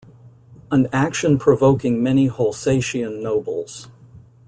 An action provoking many Holsatian nobles.